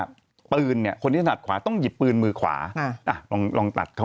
ผ่านบงชิ้นนี้คนนี้ผ่านบงชิ้นนี้ถนัดขวาต้องยิบปือมือขวา